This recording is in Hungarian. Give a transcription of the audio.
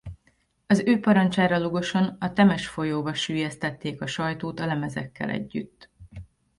Az ő parancsára Lugoson a Temes folyóba sülyesztették a sajtót a lemezekkel együtt.